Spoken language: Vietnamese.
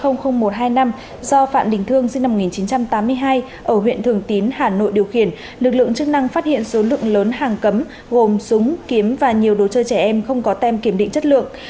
năm một nghìn chín trăm tám mươi hai ở huyện thường tín hà nội điều khiển lực lượng chức năng phát hiện số lượng lớn hàng cấm gồm súng kiếm và nhiều đồ chơi trẻ em không có tem kiểm định chất lượng